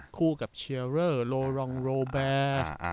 คู่กับเชียเรอร์โลรองโรแบร์